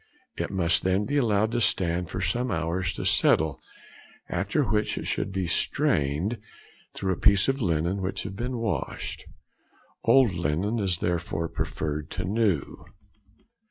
It must then be allowed to stand for some hours to settle, after which it should be strained through a piece of linen which has been washed; old linen is therefore preferred to new.